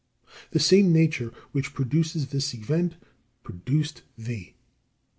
That same nature which produces this event produced thee.